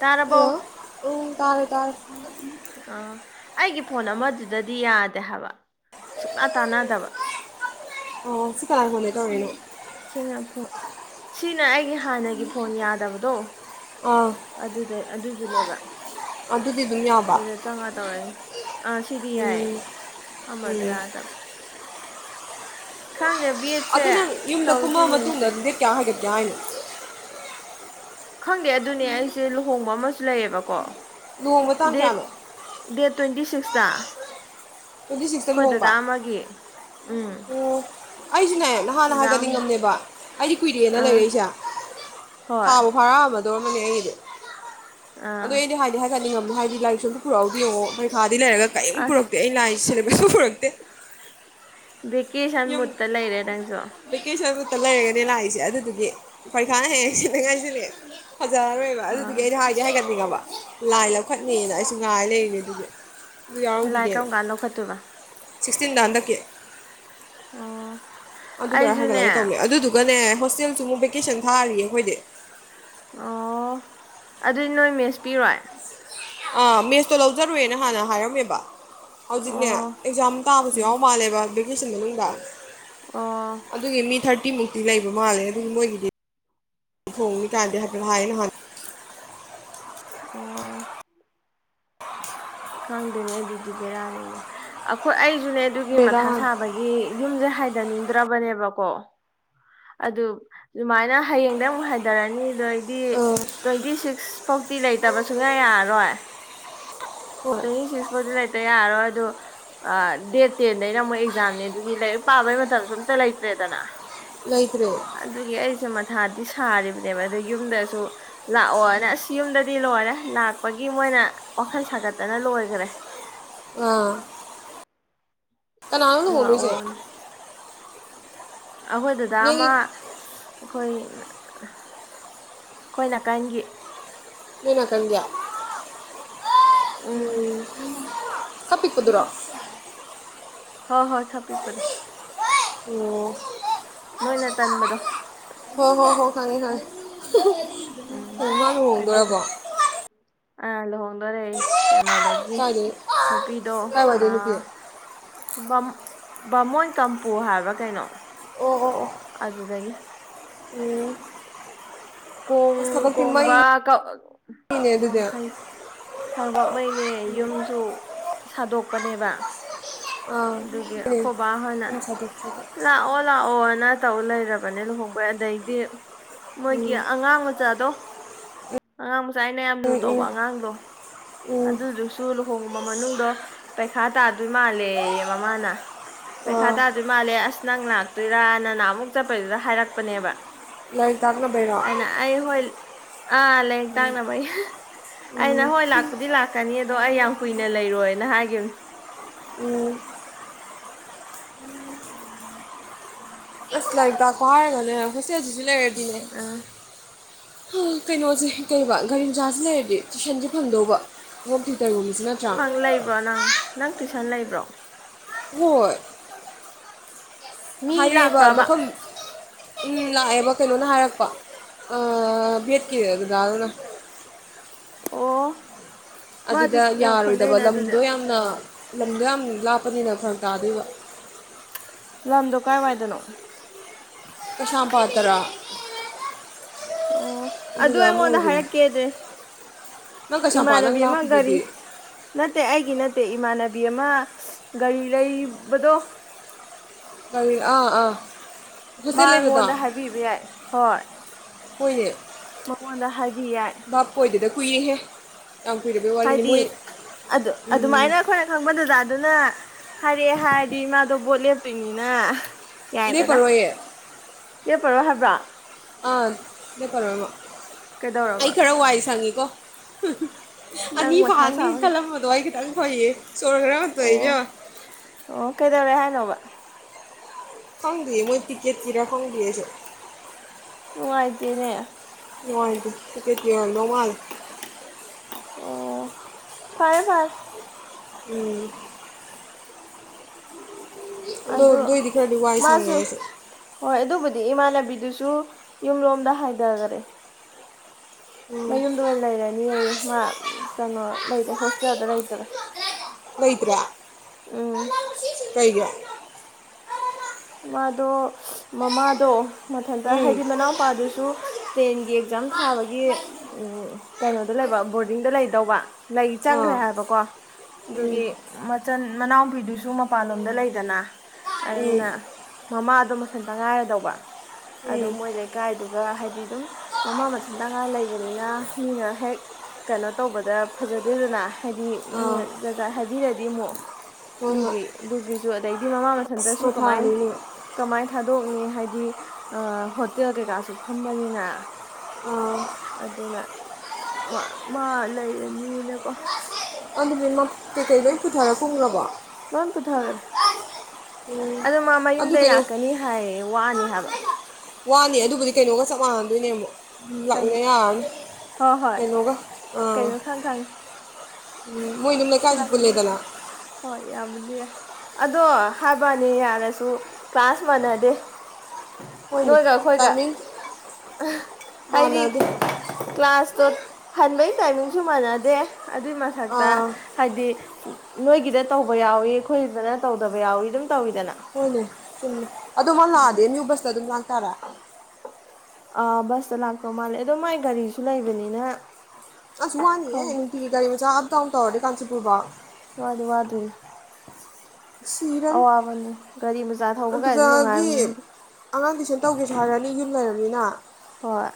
ꯇꯥꯔꯕꯣ ꯍꯜꯂꯣ ꯎ ꯇꯥꯔ ꯇꯥꯔꯦ ꯑꯥ ꯑꯩꯒꯤ ꯐꯣꯟ ꯑꯃꯗꯨꯗꯗꯤ ꯌꯥꯗꯦ ꯍꯥꯏꯕ ꯁꯨꯛꯇꯥ ꯇꯥꯟꯅꯗꯕ ꯑꯣ ꯁꯤ ꯀꯥ ꯐꯣꯟꯗꯩ ꯇꯧꯔꯛꯏꯅꯣ ꯁꯤꯅ ꯐꯣꯟ ꯁꯤꯅ ꯑꯩꯒꯤ ꯍꯥꯟꯅꯒꯤ ꯐꯣꯟ ꯌꯥꯗꯕꯗꯣ ꯑꯥ ꯑꯗꯨꯗ ꯑꯗꯨ ꯑꯗꯨꯅꯦꯕ ꯑꯗꯨꯗꯤ ꯑꯗꯨꯝ ꯌꯥꯕ ꯑꯗꯨꯗ ꯆꯪꯉꯥ ꯇꯧꯔꯅꯤ ꯑꯥ ꯁꯤꯗꯤ ꯌꯥꯏꯌꯦ ꯑꯃꯗꯣ ꯎꯝ ꯌꯥꯗꯕ ꯈꯪꯡꯗꯦ ꯑꯗꯨ ꯅꯪ ꯌꯨꯝꯗ ꯀꯨꯝꯃꯑ ꯃꯇꯨꯡꯗ ꯑꯗꯨꯗꯤ ꯀꯌꯥ ꯍꯥꯏꯒꯠꯀꯦ ꯍꯥꯏꯅ ꯈꯪꯗꯦ ꯑꯗꯨꯅꯦ ꯑꯩꯁꯦ ꯂꯨꯍꯣꯡꯕ ꯑꯃꯁꯨ ꯂꯩꯌꯦꯕꯀꯣ ꯂꯨꯍꯣꯡꯕ ꯇꯥꯡ ꯗꯦꯠ ꯀꯌꯥꯅꯣ ꯗꯦꯠ ꯇ꯭ꯋꯦꯟꯇꯤ ꯁꯤꯛ ꯀꯇꯥ ꯀꯣꯏꯗꯗ ꯃꯥꯒꯦ ꯎꯝ ꯑꯩꯁꯨ ꯁꯤꯅꯦꯍ ꯅꯍꯥꯟꯅ ꯗꯗꯥ ꯑꯝ ꯍꯥꯏꯒꯠꯅꯤꯡꯉꯝꯅꯦꯕ ꯑꯩꯗꯤ ꯀꯨꯏꯔꯦꯅ ꯑꯥ ꯂꯩꯔꯛꯏꯁꯦ ꯍꯣꯏ ꯐꯥꯕꯨ ꯐꯥꯔꯛꯑꯃꯗ ꯗꯣꯃꯅꯤ ꯑꯩꯔ ꯑꯗꯨ ꯑꯥ ꯑꯩꯗꯤ ꯍꯥꯏꯗꯤ ꯍꯥꯏꯒꯠ ꯅꯤꯡꯉꯝ ꯍꯥꯏꯗꯤ ꯂꯥꯏꯔꯤꯛ ꯁꯝ ꯄꯨꯔꯛꯎꯗꯤ ꯌꯦꯉꯩ ꯂꯩꯔꯒ ꯀꯔꯤꯝ ꯑꯁ ꯄꯨꯔꯛꯇꯦ ꯑꯩ ꯂꯥꯏ ꯐꯔꯠꯇ ꯚꯦꯀꯦꯁꯟ ꯃꯨꯠꯇ ꯂꯩꯔꯦ ꯅꯪꯁꯨ ꯂꯩꯔꯒꯅꯤ ꯂꯥꯛꯏꯁꯦ ꯑꯗꯨꯗꯨꯗꯤ ꯑꯩꯣꯏ ꯀꯦꯦ ꯀꯤꯂꯦ ꯐꯖꯔꯔꯣꯏꯕ ꯑꯗꯨꯗꯨꯒꯤ ꯍꯣꯏ ꯑꯩꯗꯤ ꯍꯥꯏꯒꯦ ꯍꯥꯏꯒꯠꯅꯤꯡꯉꯕ ꯂꯥꯏ ꯂꯧꯈꯠꯅꯦꯅ ꯑꯩꯁꯨ ꯉꯥꯏ ꯂꯩꯔꯤꯅꯦ ꯑꯗꯨꯗꯤ ꯂꯥꯏ ꯀꯔꯝ ꯀꯥꯟ ꯂꯧꯈꯠꯇꯣꯏꯕ ꯁꯤꯛꯁꯇꯤꯟꯗ ꯍꯟꯗꯛꯀꯤ ꯑꯣ ꯑꯗꯨꯗꯔ ꯑꯩꯁꯨꯅꯦ ꯍꯥꯏꯒꯠꯂꯒ ꯇꯧꯅꯦ ꯑꯗꯨꯗꯨꯒꯅꯦ ꯍꯣꯁꯇꯦꯜꯁꯨ ꯑꯃꯨꯛ ꯚꯦꯀꯦꯁꯟ ꯊꯥꯔꯤꯌꯦ ꯑꯩꯈꯣꯏꯗꯤ ꯑꯣ ꯑꯗꯨꯗꯤ ꯅꯣꯏ ꯃꯦꯁ ꯄꯤꯔꯣꯏ ꯃꯦꯁꯇꯣ ꯂꯧꯖꯔꯨꯦꯅ ꯍꯥꯟꯅ ꯍꯥꯏꯔꯝꯃꯦꯕ ꯍꯧꯖꯤꯛꯅꯦ ꯑꯣ ꯑꯦꯛꯖꯥꯝ ꯇꯥꯕꯁꯨ ꯎꯝ ꯌꯥꯎ ꯃꯥꯜꯂꯦꯕ ꯖꯟꯗ ꯍꯕ ꯑꯣ ꯑꯗꯨꯒꯤ ꯃꯤ ꯊꯥꯔꯇꯤ ꯤꯃꯨꯛꯇꯤ ꯂꯩꯕ ꯃꯥꯜꯂꯦ ꯑꯗꯨ ꯃꯣꯏꯒꯤꯗꯤ ꯊꯣꯡꯉ ꯇꯥꯟꯗꯗꯤ ꯍꯥꯏꯐꯦꯠ ꯍꯥꯏꯌꯦ ꯅꯍꯥꯟ ꯑꯣ ꯈꯪꯗꯣꯏꯅꯦ ꯑꯗꯨꯗꯤ ꯕꯦꯔꯥꯅꯤꯅꯦ ꯑꯩꯈꯣꯏ ꯑꯩꯁꯨ ꯨꯅꯦ ꯑꯗꯨꯒꯤ ꯕꯦꯔꯥ ꯃꯊꯥ ꯁꯥꯕꯒꯤ ꯌꯨꯝꯁꯦ ꯍꯥꯏ ꯅꯅꯤ ꯏꯗ꯭ꯔꯥꯕꯅꯤꯕꯣ ꯑꯗꯨ ꯑꯗꯨꯃꯥꯏꯅ ꯍꯌꯦꯡꯗ ꯑꯃꯨꯛ ꯍꯥꯏꯊꯔꯅꯤ ꯗꯤ ꯑ ꯇ꯭ꯋꯦꯟꯇꯤ ꯁꯤꯁ ꯁꯤꯛꯁ ꯐꯣꯔꯇꯤ ꯂꯩꯇꯕꯁꯨꯨꯡꯌꯥ ꯌꯥꯔꯣꯏ ꯍꯣꯏ ꯇ ꯆ [unintelligible] [inaudible] ꯂꯩꯇ ꯌꯥꯔꯣꯏ ꯑꯗꯨ ꯗꯦꯠ ꯇꯦꯟꯗꯩꯅ ꯃꯣꯏ ꯑꯦꯛꯖꯥꯝꯅꯦ ꯑꯗꯨꯒꯤ ꯂꯥꯏꯔꯤꯛ ꯄꯥꯕꯩ ꯃꯇꯝꯁꯨ ꯑꯝꯇ ꯂꯩꯇ꯭ꯔꯦꯗꯅ ꯂꯩꯇ꯭ꯔꯦ ꯑꯗꯨꯒꯤ ꯑꯩꯁꯦ ꯃꯊꯥꯗꯤ ꯁꯥꯔꯤꯕꯅꯦꯕ ꯑꯗꯣ ꯌꯨꯝꯗꯁꯨ ꯂꯥꯛꯑꯣꯅ ꯑꯁ ꯌꯨꯝꯗꯗꯤ ꯂꯣꯏꯔꯦ ꯂꯥꯛꯄꯒꯤ ꯃꯣꯏꯅ ꯋꯥꯈꯜ ꯁꯥꯒꯠ ꯐꯖꯅ ꯂꯣꯏꯈꯔꯦ ꯎꯝ ꯀꯅꯥꯅꯣ ꯂꯨꯍꯣꯡ ꯗꯣꯏ ꯁꯦ ꯂꯥꯛꯑꯣꯅ ꯑꯩꯈꯣꯏ ꯗꯥꯗꯥ ꯑꯃ ꯑꯩꯈꯣꯏ ꯑꯩꯈꯣꯏ ꯅꯥꯀꯟꯒꯤ ꯅꯣꯏꯅꯥꯀꯟꯒꯤ ꯎꯝ ꯑꯄꯤꯛꯄ ꯀꯗꯨꯔꯣ ꯍꯣ ꯍꯣꯏ ꯈꯔꯥꯄꯤꯛ ꯄꯗꯣ ꯎꯝ ꯅꯣꯏꯅ ꯇꯟꯕꯗꯣ ꯍ ꯍꯣ ꯍꯣ ꯈꯪꯉꯦ ꯈꯪꯉꯦ ꯎꯝ ꯃꯗꯨ ꯂꯨꯍꯣꯡꯗꯣꯏꯔꯕꯣ ꯑ ꯂꯨꯍꯣꯡꯗꯣꯏꯔꯦ ꯀꯩꯅꯣꯗꯒꯤ ꯅꯨꯄꯤꯗꯣ ꯕꯥꯃꯣꯏ ꯀꯝꯄꯨ ꯍꯥꯏꯕ꯭ꯔꯥ ꯀꯩꯅꯣ ꯑꯗꯨꯗꯒꯤ ꯀꯣꯡ ꯀꯣꯡꯕ ꯋꯥꯡꯈꯩ ꯊꯕꯛꯉꯩꯅꯦ ꯌꯨꯝꯁꯨ ꯁꯥꯗꯣꯛꯄꯅꯦꯕ ꯑꯗꯨꯒꯤ ꯑꯩꯈꯣꯕ ꯍꯣꯏꯅ ꯂꯥꯛꯑꯣ ꯂꯥꯛꯑꯣꯅ ꯇꯧ ꯂꯩꯔꯕꯅꯦ ꯂꯨꯍꯣꯡꯕꯩ ꯑꯗꯩꯗꯤ ꯃꯣꯏ ꯑꯉꯥꯡ ꯃꯆꯥꯗꯣ ꯑꯉꯥꯡ ꯃꯆꯥ ꯑꯩꯅ ꯌꯥꯝ ꯂꯨ ꯇꯧꯕ ꯑꯉꯥꯡꯗꯣ ꯑꯗꯨꯗꯨꯁꯨ ꯂꯨꯍꯣꯡꯕ ꯃꯅꯨꯡꯗꯣ ꯄꯩꯈꯥ ꯇꯥꯗꯣꯏ ꯃꯥꯜꯂꯦ ꯃꯃꯥꯅ ꯄꯩꯈꯥ ꯇꯥꯗꯣꯏ ꯃꯥꯜꯂꯦ ꯑꯁ ꯅꯪ ꯂꯥꯛꯇꯣꯏꯔꯥꯅ ꯅꯍꯟ ꯑꯃꯨꯛ ꯆꯠꯄꯩꯗꯨꯗ ꯍꯥꯏꯔꯛꯄꯅꯦꯕ ꯂꯩꯔꯤꯛ ꯇꯥꯛꯅꯕꯩ ꯔꯦ ꯑꯩꯅ ꯑꯩ ꯍꯣꯏ ꯑꯥ ꯂꯥꯏꯔꯤꯛ ꯇꯥꯛꯅꯕꯒꯤ ꯑꯩꯅ ꯍꯣꯏ ꯂꯥꯏ ꯀꯅꯤ ꯑꯗꯣ ꯑꯩ ꯌꯥꯝ ꯀꯨꯏꯅ ꯂꯩꯔꯣꯏꯅ ꯍꯥꯏꯈꯤꯕꯅꯦ ꯎꯝ ꯂꯥꯏꯔꯤꯛ ꯇꯥꯛꯄ ꯍꯥꯏꯔꯒꯅꯦ ꯍꯣꯁꯇꯦꯜ ꯂꯩꯔꯗꯤꯅꯦ ꯑꯥ ꯀꯩꯅꯣꯁꯦ ꯀꯩꯔꯕ ꯒꯥꯔꯤ ꯃꯆꯥꯁꯤ ꯂꯩꯔꯗꯤ ꯇꯨꯏꯁꯟꯁ ꯐꯪꯗꯧꯕ ꯍꯣꯝ ꯇꯌꯨꯇꯔꯒꯨꯝꯕꯁ ꯐꯪ ꯂꯩꯕ꯭ꯔꯣ ꯅꯪ ꯅꯪ ꯇꯨꯏꯁ ꯅ ꯂꯩꯕ꯭ꯔꯣ ꯍꯣꯏ ꯃꯤ ꯍꯥꯏꯌꯦꯕ ꯂꯥꯛꯄ꯭ꯔꯕ ꯃꯐꯝꯐꯝ ꯎꯝ ꯂꯥꯛꯑꯦꯕ ꯀꯩꯅꯣꯅ ꯍꯥꯏꯔꯛꯄ ꯚꯦꯠꯀꯤ ꯑꯗꯨꯗꯥ ꯑꯗꯨꯅ ꯑꯣ ꯃꯥꯗꯤ ꯑꯗꯨꯗ ꯌꯥꯝ ꯌꯥꯔꯣꯏꯗꯕ ꯈꯪꯅꯩꯅ ꯑꯗꯨꯗꯤ ꯂꯝꯗꯣ ꯌꯥꯝꯅ ꯂꯝꯗꯣ ꯌꯥꯝ ꯂꯥꯞꯄꯅꯤꯅ ꯐꯔ ꯇꯥꯗꯣꯏꯕ ꯂꯝꯗꯣ ꯀꯥꯏꯋꯥꯏꯗꯅꯣ ꯐꯗ꯭ꯔ ꯑꯣ ꯑꯗꯨ ꯑꯩꯉꯣꯟꯗ ꯍꯥꯏꯔꯛꯀꯦꯗꯦ ꯅꯪ ꯀꯩꯁꯥꯝꯄꯥꯠ ꯅꯪ ꯏꯃꯥꯟꯅꯕꯤ ꯑꯃ ꯒꯥꯔꯤ ꯂꯥꯞꯄꯤꯗꯨꯗꯤ ꯅꯠꯇꯦ ꯑꯩꯒꯤ ꯅꯠꯇꯦ ꯑꯠꯇꯦ ꯏꯃꯥꯟꯅꯕꯤ ꯑꯃ ꯒꯥꯔꯤ ꯂꯩꯕꯗꯣ ꯀ ꯑꯥ ꯑꯥ ꯃꯥ ꯍꯣꯁꯇꯦꯜ ꯂꯩꯕꯗꯣ ꯑꯩꯉꯣꯟꯗ ꯍꯥꯏꯕꯤꯕ ꯌꯥꯏ ꯍꯣꯏ ꯍꯣꯏꯅꯦ ꯃꯉꯣꯟꯗ ꯍꯥꯏꯕꯤ ꯌꯥꯏ ꯍꯨꯏꯍꯦ ꯍꯥꯏꯗꯤ ꯑꯗꯨ ꯑꯗꯨꯃꯥꯏꯅ ꯑꯩꯈꯣꯏꯅ ꯈꯪꯕ ꯗꯖ ꯑꯗꯨꯅ ꯍꯥꯏꯔꯦ ꯍꯥꯏꯔꯗꯤ ꯏꯃꯥꯗꯣ ꯕꯣꯠ ꯂꯦꯞꯇꯣꯏꯅꯤꯅ ꯂꯩ ꯄꯔꯣꯏꯌꯦ ꯂꯦꯞꯄꯔꯣ ꯍꯥꯏꯕ꯭ꯔꯥ ꯑꯥ ꯑꯗꯨ ꯄꯔꯃꯣ ꯑꯩ ꯀꯩꯗꯧꯔꯕ ꯈꯔ ꯋꯥꯏ ꯁꯪꯉꯦꯀꯣ [unintelligible] ꯅꯪ ꯑꯅꯤ ꯃꯊꯥ ꯐꯥꯔꯅꯤ ꯁꯥꯕꯅ ꯆꯂꯂꯝ ꯃꯗꯨꯋꯥꯏ ꯀꯇꯪ ꯍꯣꯏꯌꯦ ꯁꯣꯂꯒ꯭ꯔꯥꯄꯕꯤ ꯑꯣ ꯑꯣ ꯀꯩꯗꯧꯔꯦ [unintelligible] ꯈꯪꯗꯌꯦ ꯃꯣꯏ ꯇꯤꯦꯠ ꯀꯔ ꯈꯣꯡꯗ ꯆ ꯎ ꯍꯥꯏꯥꯏꯗꯦꯅꯦ ꯅꯨꯡꯉꯥꯏꯦ ꯅꯉꯜ ꯑꯣ ꯐꯔꯦ ꯐꯥꯏ ꯎꯝ ꯑꯗꯨ ꯗꯏ ꯈꯔꯗꯤ ꯑꯋꯥꯖ ꯁꯥꯟꯅꯦꯁ ꯑꯗꯩ ꯏꯃꯥꯟꯅꯕꯤꯗꯨꯁꯨ ꯌꯨꯝꯂꯣꯝꯗ ꯍꯥꯏꯊꯈꯔꯦ ꯎꯝ ꯃꯌꯨꯝꯗ ꯑꯣꯏꯅ ꯂꯩꯔꯅꯤꯑ ꯃꯥ ꯀꯩꯅꯣ ꯂꯩꯔꯦ ꯍꯣꯁꯇꯦꯜꯗ ꯂꯩꯇꯔꯦ ꯂꯩꯩꯇꯔ ꯎꯝ ꯀꯩꯌꯥ ꯃꯥꯗꯣ ꯃꯃꯥꯗꯣ ꯃꯊꯟꯇ ꯎꯝ ꯍꯥꯏꯗꯤ ꯃꯅꯥꯎꯄꯥꯗꯨꯁꯨ ꯁꯨ ꯇꯦꯟꯒꯤ ꯑꯦꯛꯖꯥꯝ ꯊꯥꯕꯒꯤ ꯀꯩꯅꯣꯗ ꯂꯩꯕ ꯕꯣꯔꯗꯤꯡꯗ ꯂꯩꯗꯧꯕ ꯂꯩ ꯆꯪꯈ꯭ꯔꯦ ꯑꯥ ꯍꯥꯏꯕꯀꯣ ꯎꯝ ꯑꯗꯨꯒꯤ ꯃꯆꯟ ꯃꯅꯥꯎꯕꯤꯗꯨꯁꯨ ꯃꯄꯥꯟꯂꯣꯝꯗ ꯂꯩꯗꯅ ꯎꯝ ꯑꯗꯨꯅ ꯃꯃꯥꯗꯣ ꯃꯟ ꯇꯉꯥꯏꯔꯗꯧꯕ ꯑꯗꯨ ꯎꯝ ꯃꯣꯏ ꯂꯩꯀꯥꯏꯗꯨꯒ ꯍꯥꯏꯗꯤ ꯑꯗꯨꯝ ꯃꯃꯥ ꯃꯟ ꯇꯉꯥꯏꯔ ꯂꯩꯕꯅꯤꯅ ꯃꯤꯅ ꯍꯦꯛ ꯀꯩꯅꯣ ꯇꯧꯕꯗ ꯐꯖꯗꯦꯗꯅ ꯍꯥꯏꯗꯤ ꯑꯥ ꯃꯤꯅ ꯖꯖ ꯍꯥꯏꯕꯤꯔꯗꯤ ꯑꯃꯨꯛ ꯍꯣꯏ ꯍꯣꯏ ꯑꯗꯨꯒꯤ ꯑꯗꯨꯒꯤꯁꯨ ꯑꯗꯩꯗꯤ ꯃꯃꯥ ꯃ ꯑꯁ ꯊꯟꯗꯔꯁꯨ ꯀꯃꯥꯏ ꯃꯊꯥꯅꯤꯅꯦ ꯀꯃꯥꯏꯅ ꯊꯥꯗꯣꯛꯅꯤ ꯍꯥꯏꯗꯤ ꯍꯣꯇꯦꯜ ꯀꯩꯀꯥꯁꯨ ꯐꯝꯕꯅꯤꯅ ꯑꯗꯨꯅ ꯃꯥ ꯂꯩꯔꯅꯤꯅꯀꯣ ꯑꯗꯨꯕꯤꯃ ꯀꯦꯈꯩꯩ ꯆꯠꯈ꯭ꯔꯦ ꯐꯨꯊꯔꯀꯣꯂꯕꯣ ꯑꯗꯨ ꯃꯥ ꯃꯌꯨꯝꯗꯩ ꯀꯩꯅꯣ ꯂꯥꯛꯀꯅꯤ ꯍꯥꯏꯌꯦ ꯋꯥꯅꯤ ꯊꯕ ꯋꯥꯅꯤ ꯑꯗꯨꯕꯨꯗꯤ ꯀꯩꯅꯣꯒ ꯆꯞ ꯃꯥꯟꯅꯟꯗꯣꯏꯅꯦ ꯑꯃꯨꯛ ꯀꯩ ꯃꯂꯌꯥ ꯍꯣꯏ ꯍꯣꯏ ꯀꯩꯅꯣꯒ ꯑꯥ ꯀꯩꯅꯣ ꯈꯪ ꯈꯪ ꯎꯝ ꯃꯣꯏ ꯑꯗꯨꯝ ꯂꯩꯀꯥꯏꯁꯤ ꯄꯨꯂꯦꯗꯅ ꯍꯣꯏ ꯌꯥꯕꯨꯗꯤ ꯌꯥꯏ ꯑꯗꯣ ꯍꯥꯏꯕꯅꯤ ꯌꯥꯔꯁꯨ ꯀ꯭ꯂꯥꯁ ꯃꯥꯟꯅꯗꯦ ꯍꯣꯏꯅꯦ ꯅꯣꯏꯒ ꯑꯩꯈꯣꯏꯒ ꯇꯥꯏꯃꯤꯡ ꯍꯥꯏꯗꯤ ꯃꯥꯟꯅꯗꯦ ꯀ꯭ꯂꯥꯁ ꯑꯣ ꯍꯟꯕꯩ ꯇꯥꯏꯃꯤꯡꯁꯨ ꯃꯥꯟꯅꯗꯦ ꯑꯗꯨꯏ ꯃꯊꯛꯇ ꯑꯥ ꯅꯣꯏꯒꯤꯗ ꯇꯧꯕ ꯌꯥꯎꯋꯤ ꯑꯩꯈꯣꯏꯗꯅ ꯇꯧꯗꯕ ꯌꯥꯎꯋꯤ ꯑꯗꯨꯝ ꯇꯧꯋꯤꯗꯅ ꯍꯣꯏꯅꯦ ꯑꯗꯨꯝ ꯂꯥꯛꯑꯗꯦ ꯃꯤꯏ ꯕꯁꯇ ꯑꯗꯨꯝ ꯂꯥꯛ ꯇꯔꯥ ꯑ ꯕꯁꯇ ꯂꯥꯛꯇꯧ ꯃꯥꯜꯂꯦ ꯑꯗꯣ ꯃꯥꯏ ꯒꯥꯔꯤꯁꯨ ꯂꯩꯕꯅꯤꯅ ꯑꯁ ꯋꯥꯍꯅꯤꯦ ꯈꯪꯗꯦ ꯏꯇꯒꯤ ꯒꯥꯔꯤ ꯃ ꯆ ꯀ ꯇꯥꯎ ꯇꯧꯔꯦ ꯀꯥꯟꯆꯤꯄꯨꯔꯕ ꯋꯥꯗꯤ ꯋꯥꯗꯣꯏꯅꯦ ꯁꯤ ꯏꯔꯝ ꯑꯋꯥꯕꯅꯦ ꯒꯥꯔꯤ ꯃꯆꯥ ꯊꯧꯕ ꯀꯥꯏꯁꯦ ꯅꯨꯡꯉꯥꯏꯕ ꯑꯗꯨꯗꯒꯤ ꯅꯠꯇꯦ ꯑꯉꯥꯡ ꯀꯩꯁꯟ ꯇꯧꯒꯦꯁꯨ ꯍꯥꯏꯔꯅꯤ ꯌꯨꯝ ꯂꯩꯔꯅꯤꯅ ꯍꯣꯏ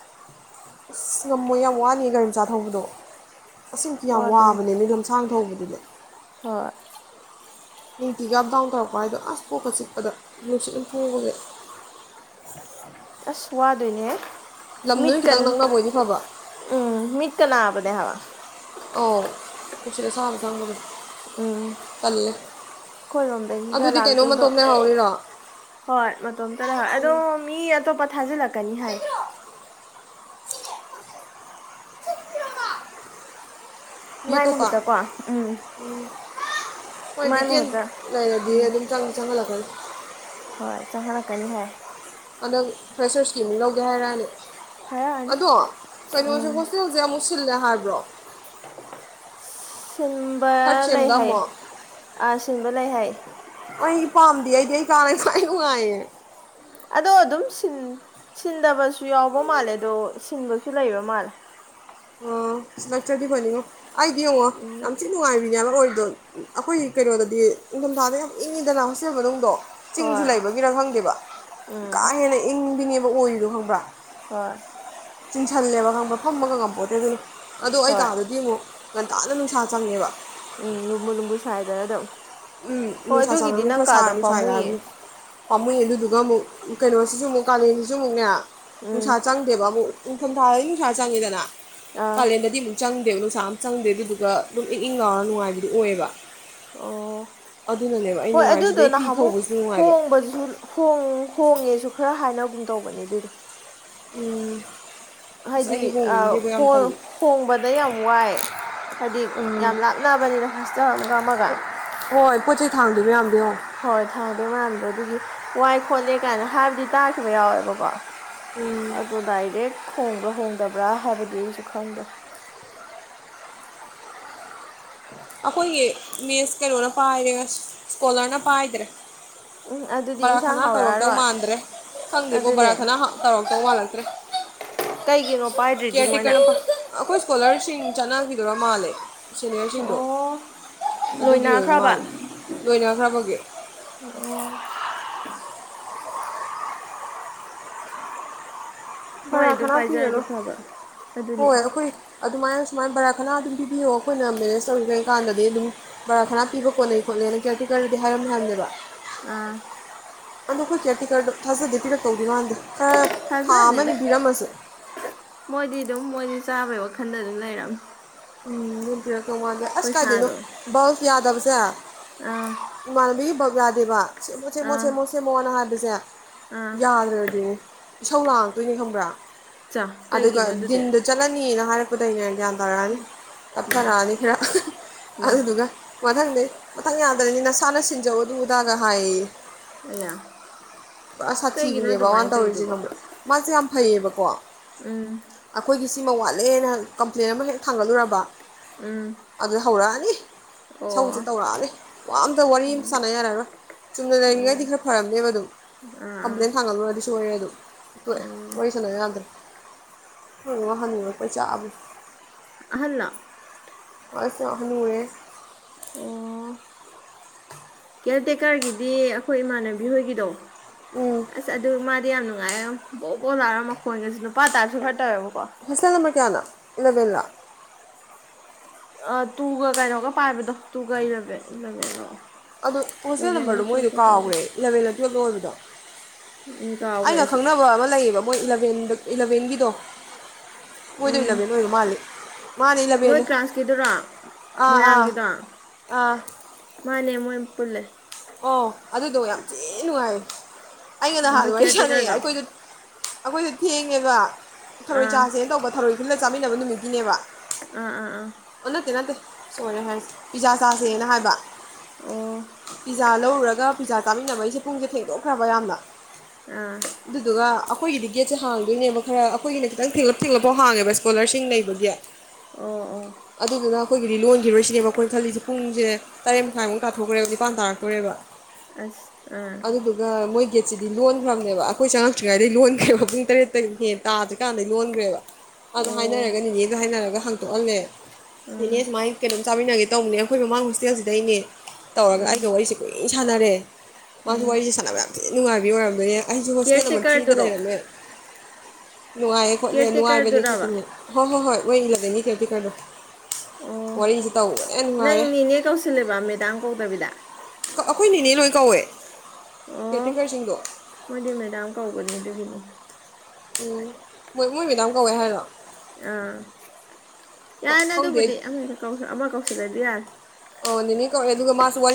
ꯑꯁ ꯉꯝꯃꯣ ꯌꯥꯝ ꯋꯥꯅꯤ ꯒꯥꯔꯤ ꯃꯆꯥ ꯊꯧꯕꯗꯣ ꯃꯁꯤꯡꯁꯤꯡꯁꯨ ꯌꯥꯝ ꯋꯥꯗꯣꯏꯅꯤ ꯋꯥꯕꯅꯦꯅꯦ ꯂꯝꯁꯥꯡ ꯇꯕꯗ ꯍꯣꯏ ꯍꯀꯤ ꯀꯗꯨ ꯀ ꯎꯚꯥꯏꯗꯣ ꯑꯁ ꯄꯣꯛꯀ ꯆꯤꯛꯄꯗ ꯅꯨꯡꯁꯤꯠ ꯑꯗꯨꯝ ꯊꯣꯡꯕꯁꯦ ꯑꯁ ꯋꯥꯗꯣꯏꯅꯦ ꯂꯝ ꯅꯣꯏ ꯃꯤꯇꯟ ꯈꯤꯇꯪ ꯅꯛꯅꯕ ꯑꯣꯏꯗꯤꯐꯕ ꯎꯝ ꯃꯤ ꯀꯅꯥꯄꯗ ꯍꯥꯋꯥ ꯑꯣ ꯏꯆꯂ ꯁꯅ ꯊꯪꯒꯗ ꯎꯝ ꯑꯩꯈꯣꯏꯔꯣꯝꯗꯒꯤꯒ ꯑꯗꯨꯗꯤ ꯀꯩꯅꯣ ꯂꯥꯛꯇꯣꯏꯗꯣ ꯃꯇꯣꯝ ꯂꯩꯍꯧꯔꯤꯔꯣ ꯍꯣꯏ ꯃꯇꯣꯝꯇ ꯂꯩ ꯍꯣꯏ ꯑꯗꯣ ꯃꯤ ꯑꯇꯣꯞꯄ ꯊꯥꯖꯤꯜꯂꯛꯀꯅꯤ ꯍꯥꯏ ꯃꯤ ꯃꯥꯏ ꯑꯇꯣꯞꯄ ꯃꯍꯨꯠꯇꯀꯣ ꯎꯝ ꯍꯣꯏ ꯃꯥꯏ ꯚꯦꯀꯦꯟ ꯃꯍꯨꯠꯇ ꯂꯩꯔꯗꯤ ꯎꯝ ꯑꯗꯨꯝ ꯆꯪꯗꯤ ꯆꯪꯍꯜꯂꯛꯀꯅꯤ ꯍꯣꯏ ꯆꯪꯍꯜꯂꯛꯀꯅꯤ ꯍꯥꯏ ꯍꯟꯗꯛ ꯐ꯭ꯔꯦꯁꯔ ꯀꯤ ꯑꯃꯨꯛ ꯂꯧꯒꯦ ꯍꯥꯏꯔꯛꯑꯅꯤ ꯍꯥꯏꯔꯛꯑꯅꯤ ꯑꯗꯣ ꯀꯩꯅꯣꯁꯦ ꯎꯝ ꯍꯣꯁꯇꯦꯜꯁꯦ ꯑꯃꯨꯛ ꯁꯤꯜꯂꯦ ꯍꯥꯏꯕ꯭ꯔꯣ ꯁꯤꯟꯕ ꯊꯥꯔꯠ ꯂꯩ ꯁꯦꯝꯗ ꯍꯥꯏ ꯑꯃꯨꯛ ꯑꯥ ꯁꯤꯟꯕ ꯂꯩ ꯍꯥꯏ ꯑꯩ ꯄꯥꯝꯗꯤ ꯑꯩꯗꯤ ꯑꯩ ꯀꯥꯅ ꯈꯋ꯭ꯥꯏ ꯅꯨꯉꯥꯏ ꯌꯦ ꯑꯗꯣ ꯑꯗꯨꯝ ꯁꯤꯟꯗꯕꯁꯨ ꯌꯥꯎꯕ ꯃꯥꯜꯂꯦ ꯑꯗꯣ ꯁꯤꯟꯕꯁꯨ ꯂꯩꯕ ꯃꯥꯜꯂꯦ ꯁꯂꯛ ꯇꯔ꯭ꯗꯤ ꯐꯥꯅꯤ ꯉꯣ ꯑꯩ ꯗꯤ ꯌꯦꯡꯉꯣ ꯎꯝ ꯌꯥꯝ ꯊꯤ ꯅꯨꯡꯉꯥꯏ ꯅꯦꯕ ꯑꯣꯏꯔꯤꯗꯣ ꯑꯩꯈꯣꯏꯒꯤ ꯀꯩꯅꯣꯗꯗꯤ ꯅꯤꯡꯊꯝꯊꯥꯗ ꯌꯥꯝ ꯏꯪꯉꯤꯗꯅ ꯍꯣꯁꯇꯦꯜ ꯃꯅꯨꯡꯗꯣ ꯆꯤꯡꯁꯨ ꯍꯣꯏ ꯂꯩꯕꯒꯤꯔꯥ ꯈꯪꯗꯦꯕ ꯀꯥ ꯎꯝ ꯍꯦꯟꯅ ꯏꯪꯕꯤꯅꯦꯕ ꯑꯣꯏꯔꯤꯅꯣ ꯈꯪꯕ꯭ꯔꯥ ꯍꯣꯏ ꯆꯤꯟꯁꯤꯜꯂꯦꯕ ꯈꯪꯕ ꯐꯝꯕꯒ ꯉꯝꯄꯣꯠꯇꯦ ꯑꯗꯨꯅ ꯑꯗꯣ ꯑꯩ ꯍꯣꯏ ꯀꯥꯗꯗꯤ ꯑꯃꯨꯛ ꯉꯟꯇꯥꯅ ꯅꯨꯡꯁꯥ ꯆꯪꯉꯦꯕ ꯎꯝ ꯂꯨꯝꯕꯨꯨ ꯂꯨꯝꯕꯨ ꯁꯥꯏꯗꯅ ꯑꯗꯨꯝ ꯎꯝ ꯍꯣꯏ ꯅꯨꯡꯁꯥ ꯑꯗꯨꯒꯤꯗꯤ ꯁꯔꯅꯤ ꯅꯪ ꯑꯩꯈꯣꯏ ꯀꯥꯗꯣ ꯁꯥꯔꯅꯤ ꯁꯥꯥꯏ ꯄꯥꯝꯃꯨꯏꯌꯦ ꯌꯥꯔꯅꯤ ꯄꯥꯝꯃꯨꯏ ꯑꯗꯨꯗꯨꯒ ꯑꯃꯨꯛ ꯀꯩꯅꯣꯁꯤꯁꯨ ꯑꯃꯨꯛ ꯀꯥꯂꯦꯟꯁꯤꯁꯨ ꯑꯃꯨꯛꯅꯦ ꯎꯝ ꯅꯨꯡꯁꯥ ꯆꯪꯗꯦ ꯕꯥꯕꯨ ꯏꯪ ꯊꯥꯝ ꯊꯥ ꯗꯥꯗꯤ ꯅꯨꯡꯁꯥ ꯆꯉꯤꯗꯅ ꯑꯥ ꯀꯥꯂꯦꯟꯗꯗꯤ ꯑꯃꯨꯛ ꯆꯪ ꯨ ꯗꯦ ꯅꯨꯡꯁꯥ ꯆꯪꯗꯦ ꯑꯗꯨꯗꯨꯒ ꯑꯗꯨꯝ ꯏꯪ ꯏꯪ ꯂꯥꯎꯔꯒ ꯅꯨꯡꯉꯥꯏꯕꯤ ꯑꯗꯨ ꯑꯣꯏꯕ ꯑꯣ ꯍꯣꯏ ꯅꯨꯡꯉꯥꯏꯔꯤꯁꯦ ꯑꯗꯨꯗꯨꯣ ꯑꯗꯩ ꯐꯤ ꯅꯍ ꯃꯨꯛ ꯐꯧꯕꯁꯨ ꯅꯨꯡꯉꯥꯏꯕ ꯍꯣꯡꯕꯁꯨ ꯍꯣꯡ ꯍꯣꯡꯉꯦꯁꯨ ꯁꯨ ꯈꯔ ꯍꯥꯏꯅꯒꯨꯝ ꯇꯧꯕꯅꯦ ꯑꯗꯨꯗꯣ ꯎꯝ ꯑꯁ ꯑꯩꯗꯤ ꯍꯥꯏꯗꯤ ꯑ ꯍꯣꯡꯅꯤꯡꯗꯦꯕ ꯌꯥꯝ ꯇꯜꯂꯤ ꯍꯣꯡꯕꯗ ꯌꯥꯝ ꯋꯥꯏ ꯍꯥꯏꯗꯤ ꯎꯝ ꯌꯥꯝ ꯂꯥꯞꯅꯕꯅꯤꯅ ꯍꯣꯁꯇꯦꯜ ꯑꯃꯒ ꯑꯃꯒ ꯍꯣꯏ ꯄꯣꯠ ꯆꯩ ꯊꯥꯡꯗꯣꯏ ꯃꯌꯥꯝꯗꯣ ꯌꯦꯡꯉꯣ ꯍꯣꯏ ꯊꯥꯡꯗꯣꯏ ꯃꯌꯥꯝꯗꯣ ꯑꯗꯨꯒꯤ ꯋꯥꯏ ꯈꯣꯠꯂꯦ ꯀꯥꯏꯅ ꯍꯥꯏꯕꯗꯤ ꯇꯥꯈꯤꯕ ꯌꯥꯎꯋꯦꯕꯀꯣ ꯎꯝ ꯑꯗꯣ ꯗꯥꯏꯔꯦꯛ ꯍꯣꯡꯕ꯭ꯔꯥ ꯍꯣꯡꯗꯕ꯭ꯔꯥ ꯍꯥꯏꯕꯗꯤ ꯑꯩꯁꯨ ꯈꯪꯗ꯭ꯔꯦ ꯑꯩꯈꯣꯏꯒꯤ ꯃꯦꯁ ꯀꯩꯅꯣꯅ ꯄꯥꯏꯔꯦ ꯁ꯭ꯀꯣꯂꯔꯅ ꯄꯥꯏꯗ꯭ꯔꯦ ꯎꯝ ꯑꯗꯨꯗꯤ ꯕꯔꯥ ꯏꯟꯁꯥꯡ ꯈꯅꯥ ꯇꯧꯔꯛꯇꯧ ꯍꯥꯎꯔꯛꯑꯔꯣꯏ ꯃꯥꯟꯗ꯭ꯔꯦ ꯈꯪꯗꯦꯕꯣ ꯕꯔꯥ ꯑꯗꯨꯅꯦ ꯈꯅꯥ ꯇꯧꯔꯛꯇꯧ ꯃꯥꯜꯂꯛꯇ꯭ꯔꯦ ꯀꯩꯒꯤꯅꯣ ꯄꯥꯏꯗ꯭ꯔꯤꯗꯤ ꯀꯦꯌꯔ ꯃꯣꯏꯅ ꯇꯦꯀꯔꯅ ꯑꯩꯈꯣꯏ ꯁ꯭ꯀꯣꯂꯔ ꯁꯤꯡ ꯆꯠꯅꯈꯤꯗꯔꯥ ꯃꯥꯜꯂꯦ ꯁꯦꯅꯤꯌꯔꯁꯤꯡꯗꯣ ꯑꯣ ꯑꯗꯨꯒꯤ ꯑꯣꯏꯕ ꯂꯣꯏꯅꯥꯈ꯭ꯔꯕ ꯃꯥꯜꯂꯦ ꯂꯣꯏꯅꯈ꯭ꯔꯕꯒꯤ ꯑꯣ ꯃꯣꯏ ꯚꯔꯥ ꯑꯗꯨꯝ ꯀꯅꯥ ꯄꯥꯏꯖꯔꯗꯤ ꯄꯤꯔꯅꯣ ꯐꯕ ꯍꯣꯏ ꯑꯗꯨꯅꯦ ꯑꯩꯈꯣꯏ ꯑꯗꯨꯃꯥꯏꯅ ꯁꯨꯃꯥꯏꯅ ꯕꯔꯥ ꯀꯅꯥ ꯑꯗꯨꯝ ꯄꯤꯕꯤꯌꯣ ꯑꯩꯈꯣꯏꯅ ꯃꯦꯅꯦꯖ ꯇꯧꯔꯤꯈꯩ ꯀꯥꯟꯗꯗꯤ ꯑꯗꯨꯝ ꯕꯔꯥ ꯈꯅꯥ ꯄꯤꯕ ꯈꯣꯠꯅꯩ ꯈꯣꯠꯅꯩꯅ ꯀꯦꯔ ꯀꯩꯀꯔꯗꯗꯤ ꯍꯥꯏꯔꯝꯃꯦꯦꯕ ꯑꯥ ꯑꯗꯈꯣꯏ ꯀꯌꯥꯇꯤ ꯀꯔ ꯊꯥꯖꯗꯦ ꯀꯤꯔ ꯇꯧꯕꯤꯔꯣ ꯍꯥꯟꯗꯦ ꯈꯔ ꯊꯥ ꯊꯥꯖꯗꯦꯗ ꯑꯃꯅꯦꯕꯤꯔꯝꯃꯁꯦ ꯃꯣꯏꯗꯤ ꯑꯗꯨꯝ ꯃꯣꯏꯗꯤ ꯆꯥꯕꯩ ꯋꯥꯈꯜꯗ ꯑꯗꯨꯝ ꯂꯩꯔꯝꯃꯦ ꯎꯝ ꯎ ꯅꯣꯡꯉꯗꯦ ꯑꯁ ꯀꯥꯏꯗꯅꯣ ꯌꯥꯗꯕꯁꯦ ꯑꯥ ꯃꯔꯕꯤ ꯌꯥꯗꯕ ꯃꯊꯦ ꯑꯥ ꯃꯣꯊꯦ ꯃꯁꯦ ꯃꯣꯣꯟꯅ ꯍꯥꯏ ꯄꯖꯥ ꯑꯥ ꯌꯥꯗ ꯑꯣꯏꯗ ꯏꯁꯧ ꯂꯥꯡꯉꯛꯇꯣꯏꯅꯦ ꯈꯪꯕ꯭ꯔꯥ ꯆꯥ ꯑꯗꯨꯒ ꯀꯩꯒꯤꯅꯣ ꯑꯗꯨꯗꯤ ꯗꯤꯟꯗ ꯆꯠꯂꯅꯤꯅ ꯍꯥꯏꯔꯛꯄ ꯎꯗꯗꯝꯅꯦ ꯒꯌꯥ ꯀꯔꯜ ꯀꯞꯊꯔꯛꯑꯅꯤ ꯈꯔ ꯃꯥ ꯑꯗꯨꯗꯨꯒ ꯃꯊꯪꯗꯤ ꯃꯊꯪ ꯌꯥꯗꯕꯅꯤ ꯅꯁꯥꯅ ꯁꯤꯟꯖꯧ ꯑꯗꯨꯗꯥꯒ ꯍꯥꯏꯌꯦꯌꯦ ꯑꯌꯥ ꯑ ꯀꯩꯒꯤꯅꯣ ꯁꯥꯊꯤꯕꯤꯅꯦꯕ ꯃꯥꯅ ꯑꯗꯨꯃꯥꯏꯅ ꯇꯧꯔꯤꯁꯦ ꯇꯧꯔꯤꯗꯨꯕꯣ ꯈꯪꯕ ꯃꯥꯁꯦ ꯌꯥꯝ ꯐꯩꯌꯦꯕꯀꯣ ꯎꯝ ꯑꯩꯈꯣꯏꯒꯤ ꯁꯤꯃ ꯋꯥꯠꯂꯦꯅ ꯀꯝꯄ꯭ꯂꯦꯟ ꯑꯃ ꯍꯦꯛ ꯊꯥꯡꯒꯠꯂꯨꯔꯕ ꯎꯝ ꯑꯗꯨ ꯍꯧꯔꯛꯑꯅꯤ ꯑꯣ ꯁꯧꯁꯨ ꯇꯧꯔꯛꯑꯅꯤ ꯋꯥ ꯑꯝꯇ ꯋꯥꯔꯤ ꯑꯃꯝ ꯑꯣ ꯁꯥꯟꯅ ꯌꯥꯔꯔꯣꯏ ꯆꯨꯝꯅ ꯑꯣ ꯂꯩꯔꯤꯉꯩꯗꯤ ꯈꯔ ꯐꯔꯝꯅꯦꯕ ꯑꯗꯨꯝ ꯑꯥ ꯑꯥ ꯀꯝꯄ꯭ꯂꯦꯟ ꯁꯥꯡꯒꯗꯤ ꯆ ꯑꯗꯨ ꯑꯈꯣꯏ ꯎꯝ ꯋꯥꯔꯤ ꯁꯅ ꯌꯥꯗ꯭ꯔꯦ ꯍꯣꯏ ꯋꯥꯍꯟꯅꯤꯡꯉꯛꯄꯩ ꯆꯥꯛꯑꯕꯅꯤ ꯑꯍꯜꯂꯣ ꯑꯁ ꯑ ꯍꯅꯨꯔꯦꯍꯦ ꯑꯣ ꯀꯦꯌꯥꯔ ꯇꯦꯛꯀꯔꯒꯤꯗꯤ ꯑꯩꯈꯣꯏ ꯏꯃꯥꯟꯅꯕꯤ ꯍꯣꯏꯒꯤꯗꯣ ꯎꯝ ꯑꯁ ꯑꯗꯨ ꯃꯥꯗꯤ ꯌꯥꯝ ꯅꯣ ꯉꯥꯏꯌꯦ ꯕꯣ ꯕꯣ ꯂꯥꯏꯔ ꯃꯈꯣꯏꯒꯁꯨ ꯅꯨꯄꯥ ꯇꯥꯏꯄꯁꯨ ꯈꯔ ꯇꯧꯋꯦꯕ ꯍꯣꯁꯇꯦꯜ ꯅꯝꯕꯔ ꯀꯌꯥꯅꯣ ꯏꯂꯥꯕꯦꯟꯂꯣ ꯇꯨꯒ ꯀꯩꯅꯣꯒ ꯄꯥꯏꯕꯗꯣ ꯇꯨꯒꯚꯦꯟ ꯏꯂꯚꯦꯟ ꯂꯣ ꯑꯗꯨ ꯍꯣꯁꯇꯦꯜ ꯅꯝꯕꯔꯗꯣ ꯃꯣꯏꯗꯣ ꯀꯥꯎꯒ꯭ꯔꯦ ꯏꯂꯕꯦꯟꯂ ꯇꯨꯌꯦꯜꯞꯂ ꯑꯣꯏꯕꯗꯣ ꯎꯝ ꯀꯥꯎꯒ꯭ꯔꯦ ꯑꯩꯒ ꯑꯩꯁꯨ ꯈꯪꯅꯕ ꯑꯃ ꯂꯩ ꯌꯦꯕ ꯃꯣꯏ ꯏꯂꯕꯦꯟꯒꯤꯗꯣ ꯎꯨꯝ ꯃꯥꯅꯦ ꯅꯣꯏ ꯏꯂꯚꯦꯟꯅꯦ ꯀ꯭ꯂꯥꯁꯀꯤꯗꯨꯔꯣ ꯑꯥ ꯑꯥ ꯃꯣꯏꯔꯥꯡꯒꯤꯗꯣ ꯑꯥ ꯃꯥꯅꯦ ꯃꯣꯏ ꯄꯨ ꯄꯨꯜꯂꯦ ꯑꯣ ꯑꯗꯨꯗꯣ ꯌꯥꯝ ꯊꯤꯟ ꯅꯨꯡꯉꯥꯏ ꯑꯩꯩꯒ ꯅꯍꯥꯟ ꯃꯣꯏ ꯋꯥꯔꯤ ꯀꯤꯌꯔ ꯁꯥꯟꯅꯩꯑꯦ ꯇꯦꯀꯔꯗꯣ ꯑꯩꯈꯣꯏꯗ ꯑꯩꯈꯣꯏꯗꯨ ꯊꯦꯡꯉꯦꯕ ꯊꯔꯣꯏ ꯑꯥ ꯆꯥꯁꯦꯅ ꯇꯧꯕ ꯊꯔꯣꯏ ꯄꯨꯟꯅ ꯆꯥꯃꯤꯟꯅꯕ ꯅꯨꯃꯤꯠꯀꯤꯅꯦꯕ ꯑꯥ-ꯑꯥ-ꯑꯥ ꯑꯣ ꯅꯠꯇꯦ ꯅꯠꯇꯦ ꯁꯣꯏꯔꯦ ꯍꯥꯏꯁꯤ ꯄꯤꯖꯥ ꯆꯥꯁꯦꯅ ꯍꯥꯏꯕ ꯑꯣ ꯄꯤꯖꯥ ꯂꯧꯔꯨꯔꯒ ꯄꯤꯖꯥ ꯆꯥꯃꯤꯟꯅꯕꯩꯁꯦ ꯄꯨꯡꯁꯦ ꯊꯦꯡꯗꯣꯛꯈ꯭ꯔꯕ ꯌꯥꯝꯅ ꯑꯥ ꯑꯗꯨꯗꯨꯒ ꯑꯥ ꯑꯩꯈꯣꯏꯒꯤꯗꯤ ꯒꯦꯠꯁꯦ ꯍꯥꯡꯗꯣꯏꯅꯦꯕ ꯈꯔ ꯑꯩꯈꯣꯏꯒꯤꯅ ꯈꯤꯇꯪ ꯊꯦꯛꯂꯞ ꯊꯦꯛꯂꯞ ꯍꯥꯡꯉꯦꯕ ꯁ꯭ꯀꯣꯂꯔꯁꯤꯡ ꯂꯩꯕꯒꯤ ꯑꯣ ꯑꯣ ꯑꯗꯨꯗꯨꯅ ꯑꯩꯈꯣꯏꯒꯤꯗꯤ ꯂꯣꯟꯒꯤꯔꯣꯏꯁꯤꯅꯦꯕ ꯑꯩꯈꯣꯏ ꯈꯜꯂꯤꯁꯦ ꯄꯨꯡꯁꯦ ꯇꯔꯦꯠ ꯃꯈꯥꯏꯃꯨꯛ ꯇꯥꯊꯣꯛꯈ꯭ꯔꯦꯕ ꯅꯤꯄꯥꯟ ꯇꯔ ꯇꯣꯔꯦꯕ ꯑꯁ ꯑꯥ ꯒꯦꯠꯁꯤꯗꯤ ꯂꯣꯟꯈ꯭ꯔꯕꯅꯦꯕ ꯑꯩꯈꯣꯏ ꯆꯪꯉꯛꯇ꯭ꯔꯤꯉꯩ ꯂꯣꯟꯈ꯭ꯔꯦꯕ ꯄꯨꯡ ꯇꯔꯦꯠꯇ ꯍꯦꯛ ꯇꯥꯗꯦ ꯀꯥꯟꯗ ꯂꯣꯟꯒ꯭ꯔꯦꯕ ꯑꯗ ꯑꯣ ꯍꯥꯏꯅꯔꯒ ꯅꯦꯅꯦꯗꯣ ꯍꯥꯏꯅꯔꯒ ꯍꯥꯡꯇꯣꯛꯍꯜꯂꯦ ꯑꯥ ꯅꯦꯅꯦ ꯁꯨꯃꯥꯏ ꯀꯣ ꯆꯥꯃꯤꯟꯅꯒꯦ ꯇꯧꯕꯅꯦ ꯑꯈꯣꯏ ꯃꯃꯥꯡ ꯍꯣꯁꯇꯦꯜꯁꯤꯗꯩꯅꯦ ꯇꯧꯔꯒ ꯑꯥ ꯑꯩꯒ ꯋꯥꯔꯤꯁꯤ ꯁꯤ ꯁꯥꯟꯅꯔꯦ ꯃꯥ ꯑꯥ ꯋꯥꯔꯤ ꯁꯅꯕ ꯌꯥꯝꯊꯤ ꯅꯨꯡꯉꯥꯏꯕꯤ ꯑꯣꯏꯔꯝꯕ ꯌꯥ ꯑꯩꯁꯨ ꯍꯣꯁꯇꯦꯜ ꯀꯤꯌꯔ ꯅꯝꯕꯔ ꯊꯔꯤꯗ ꯇꯦꯀꯔꯗꯨꯔꯣ ꯂꯩꯔꯝꯃꯦ ꯅꯨꯡꯉꯥꯏꯌꯦ ꯈꯣꯠꯂꯦ ꯀꯤꯌꯔ ꯅꯨꯡꯉꯥꯏꯕꯅꯤ ꯇꯦꯀꯔꯗꯨꯔꯕ ꯈꯅꯦ ꯍꯣ ꯍꯣ ꯍꯣꯏ ꯑꯣꯏ ꯏꯒꯗꯅꯤ ꯀꯦꯇ ꯀꯔꯗꯣ ꯑꯣ ꯅꯪ ꯅꯦꯅꯦ ꯀꯥꯎꯁꯤꯜꯂꯦꯕ ꯃꯦꯗꯥꯝ ꯀꯧꯗꯕꯤꯗ ꯑꯩꯈꯣꯏ ꯅꯤꯅꯦ ꯂꯣꯏ ꯀꯧꯋꯦ ꯑꯣ ꯀꯦꯌꯔꯇꯦꯀꯔꯁꯤꯡꯗꯣ ꯃꯣꯏꯗꯤ ꯃꯦꯗꯥꯝ ꯀꯧꯕꯅꯦ ꯑꯗꯨꯒꯤꯅꯤ ꯎꯝ ꯃꯣꯏ ꯃꯣꯏ ꯃꯦꯗꯥꯝ ꯀꯧꯋꯦ ꯍꯥꯏꯔꯣ ꯑꯥ ꯌꯥꯔꯦꯅꯦ ꯈꯪꯗꯦ ꯑꯩ ꯑꯗꯨꯕꯨꯗꯤ ꯑꯃ ꯑꯃ ꯀꯧꯁꯤꯜꯂꯗꯤ ꯌꯥꯔꯦ ꯑꯣ ꯅꯦꯅꯦ ꯃꯥꯁꯨ ꯋꯥꯔꯤ